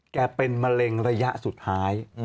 เป็นมะเร็งระยะสุดท้าย